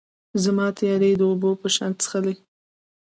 زما تیارې یې د اوبو په شان چیښلي